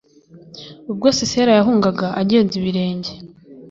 ubwo sisera yahungaga agenza ibirenge